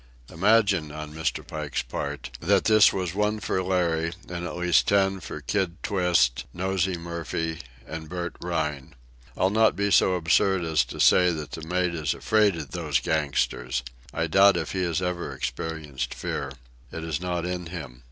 Imagine, on Mr. Pike's part, that this was one for Larry and at least ten for Kid Twist, Nosey Murphy, and Bert Rhine. I'll not be so absurd as to say that the mate is afraid of those gangsters. I doubt if he has ever experienced fear. It is not in him.